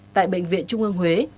tại bệnh viện trung ương huế